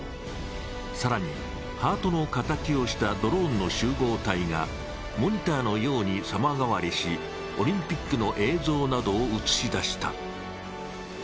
更に、ハートの形をしたドローンの集合体がモニターのように様変わりしオリンピックの映像などを映し出した。